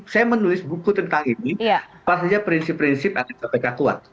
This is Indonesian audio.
saya menulis buku tentang ini apa saja prinsip prinsip ada kpk kuat